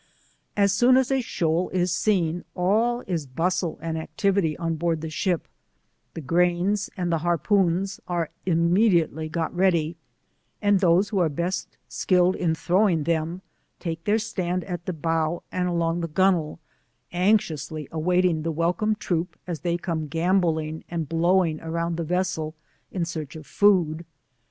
As soon as a shoal is seen all is bustle and activity on board the ship, the grains and the harpoons are immediately got ready, and those who are best skilled in throwing theni take their stand at the bow and along the gunwale anxiously awaiting the welcome troop as they come, gamboling and blowing around the vessel, in search of food.